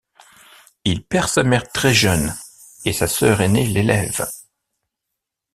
Il perd sa mère très jeune et sa sœur aînée l'élève.